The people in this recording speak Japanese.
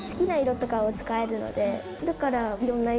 だから。